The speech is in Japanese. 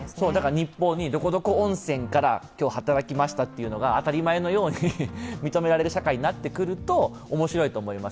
日報にどこどこ温泉から今日働きましたというのが当たり前のように認められる社会になってくると面白いと思います。